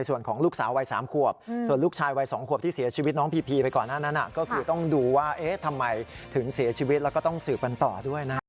ต้องปล่อยทางที่เจอพูดเลยค่ะ